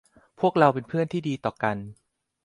พวกเราเป็นเพื่อนที่ดีต่อกัน